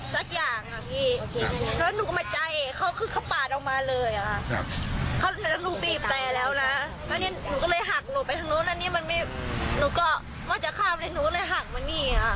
เราก็ตกอกลงมาเลยหายให้พิธีรักราน